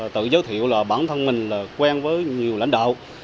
tự giới thiệu là bản thân mình là quen với nhiều lãnh đạo